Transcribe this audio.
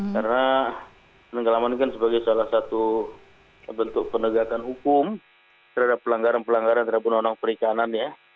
karena penenggelaman kan sebagai salah satu bentuk penegakan hukum terhadap pelanggaran pelanggaran terhadap penolong perikanan ya